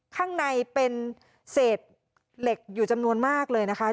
ข้างในเป็นเศษเหล็กอยู่จำนวนมากเลยนะคะ